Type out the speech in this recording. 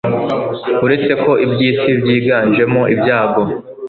uretse ko iby'isi byiganjemo ibyago